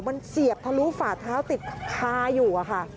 มันเสียบทะลุฝาเท้าติดคาอยู่อะค่ะ